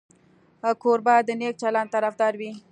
کوربه د نیک چلند طرفدار وي.